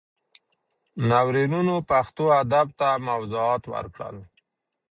ناورینونو پښتو ادب ته موضوعات ورکړل.